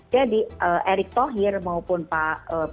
jadi erick thokir maupun pak luhut